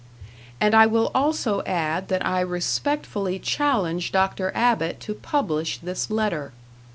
And I will also add that I respectfully challenge Dr. Abbott to publish this letter.